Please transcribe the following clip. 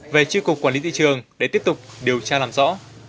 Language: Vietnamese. về chi cục quản lý tị trường để tiếp tục điều tra làm rõ